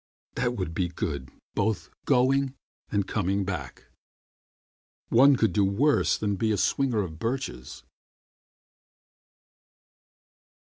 That would be good both going and coming back. One could do worse than be a swinger of birches.